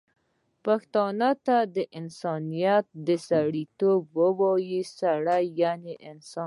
پښتانه انسانیت ته سړيتوب وايي، سړی یعنی انسان